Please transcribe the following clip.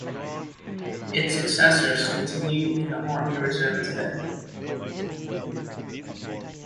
Its successors continue in the Army Reserve today.